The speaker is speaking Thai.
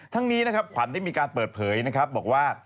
ทั้งนี้ควันได้มีการเปิดเผยนะครับบอกว่า